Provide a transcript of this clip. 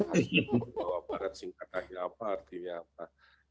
atau aparat singkatannya apa artinya apa